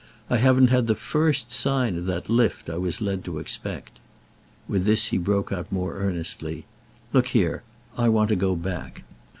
I haven't had the first sign of that lift I was led to expect." With this he broke out more earnestly. "Look here—I want to go back."